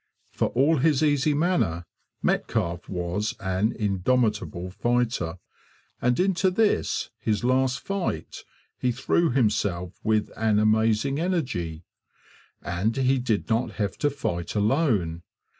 For all his easy manner Metcalfe was an indomitable fighter, and into this, his last fight, he threw himself with an amazing energy. And he did not have to fight alone.